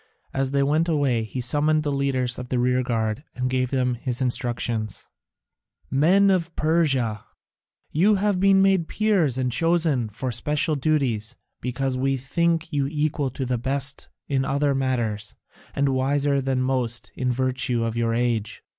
As they went away he summoned the leaders of the rearguard and gave them his instructions: "Men of Persia, you have been made Peers and chosen for special duties, because we think you equal to the best in other matters, and wiser than most in virtue of your age.